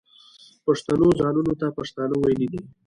پښتنو ځانونو ته پښتانه ویلي دي.